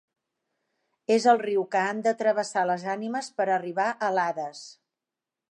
És el riu que han de travessar les ànimes per arribar a l'Hades.